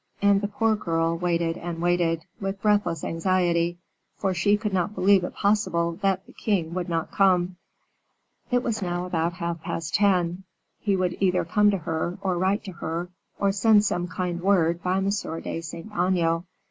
And the poor girl waited and waited, with breathless anxiety for she could not believe it possible that the king would not come. It was now about half past ten. He would either come to her, or write to her, or send some kind word by M. de Saint Aignan.